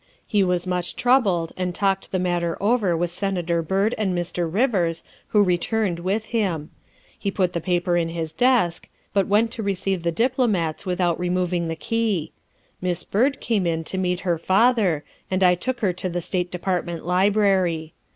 He was much troubled, and talked the matter over with Senator Byrd and Mr. Rivers, who returned with him. He put the paper in his desk, but went to receive the diplomats without removing the key. Miss Byrd came in to meet her father, and I took her to the State Department library.